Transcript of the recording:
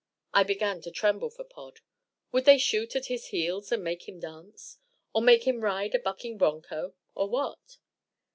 I began to tremble for Pod. Would they shoot at his heels and make him dance? Or make him ride a bucking bronco? Or what?